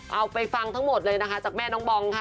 เอาไปฟังทั้งหมดเลยนะคะจากแม่น้องบองค่ะ